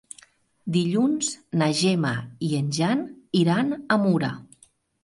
Dilluns na Gemma i en Jan iran a Mura.